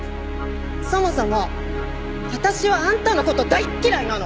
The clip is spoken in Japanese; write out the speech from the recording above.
そもそも私はあんたの事大嫌いなの！